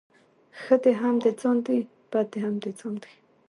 ښه دي هم د ځان دي ، بد دي هم د ځآن.